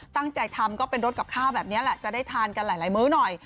ตั้งใจทำก็เป็นรสกับข้าวแบบนี้แหละจะได้ทานกันหลายมื้อหน่อย